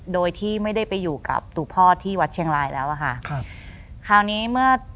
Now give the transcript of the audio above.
โดยที่ไม่ได้ไปอยู่กับตัวพ่อที่วัดเชียงรายแล้วอะค่ะครับคราวนี้เมื่อ